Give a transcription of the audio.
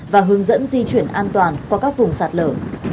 và hướng dẫn di chuyển an toàn qua các vùng sạt lở